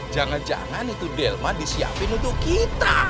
jangan jangan itu delma disiapin untuk kita